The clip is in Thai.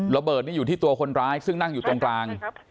ระเบิดนี่อยู่ที่ตัวคนร้ายซึ่งนั่งอยู่ตรงกลาง